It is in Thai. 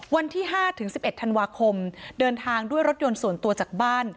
วันที่๕ถึง๑๑ธันวาคมเดินทางด้วยรถยนต์ส่วนตัวจากบ้าน